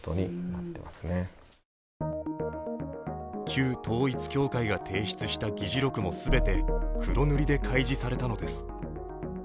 旧統一教会が提出した議事録も全て黒塗りで開示されたのです。